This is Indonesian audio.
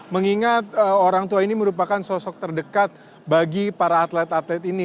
mengingat orang tua ini merupakan sosok terdekat bagi para atlet atlet ini